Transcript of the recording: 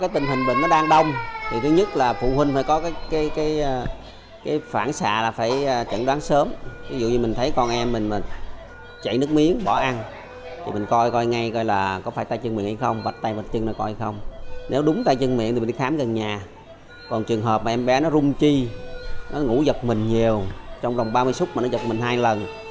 trong trường hợp mà em bé nó rung chi nó ngủ giật mình nhiều trong vòng ba mươi súc mà nó giật mình hai lần